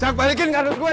mbak rika men african